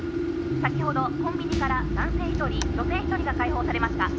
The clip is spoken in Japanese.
先ほどコンビニから男性１人女性１人が解放されました」